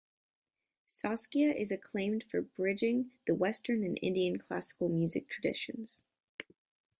Saskia is acclaimed for bridging the Western and Indian classical music traditions.